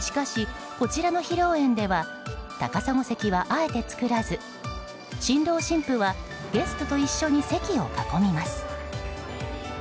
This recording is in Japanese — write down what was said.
しかし、こちらの披露宴では高砂席はあえて作らず新郎新婦はゲストと一緒に席を囲みます。